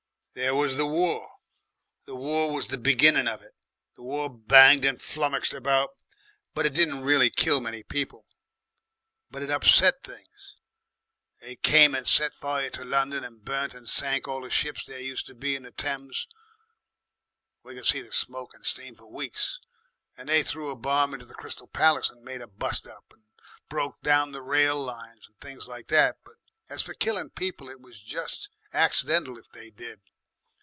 "There was the War. The War was the beginning of it. The War banged and flummocked about, but it didn't really KILL many people. But it upset things. They came and set fire to London and burnt and sank all the ships there used to be in the Thames we could see the smoke and steam for weeks and they threw a bomb into the Crystal Palace and made a bust up, and broke down the rail lines and things like that. But as for killin' people, it was just accidental if they did.